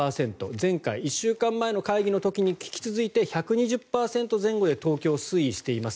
前回１週間前の会議の時に引き続いて１２０％前後で東京は推移しています。